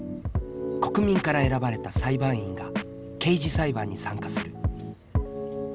国民から選ばれた裁判員が刑事裁判に参加する。